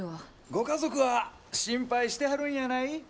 ご家族は心配してはるんやない？